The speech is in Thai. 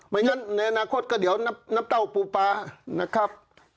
ไม่งั้นในอนาคตก็เดี๋ยวน้ำเต้าปูปลานะครับ